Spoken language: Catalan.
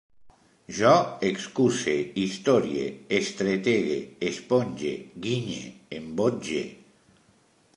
Jo excuse, historie, estretege, esponge, guinye, embotge